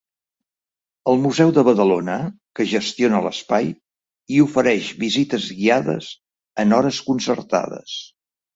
El Museu de Badalona, que gestiona l'espai, hi ofereix visites guiades en hores concertades.